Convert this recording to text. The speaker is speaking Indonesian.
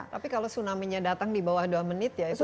tapi kalau tsunami nya datang di bawah dua menit ya itu